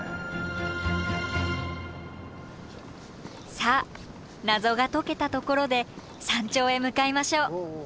さあ謎が解けたところで山頂へ向かいましょう。